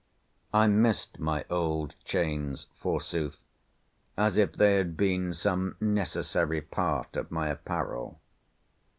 I missed my old chains, forsooth, as if they had been some necessary part of my apparel.